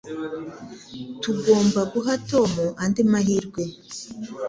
Tugomba guha Tom andi mahirwe